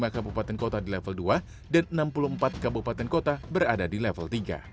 lima kabupaten kota di level dua dan enam puluh empat kabupaten kota berada di level tiga